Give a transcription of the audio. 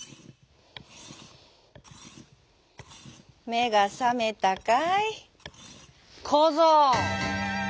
「めがさめたかいこぞう」。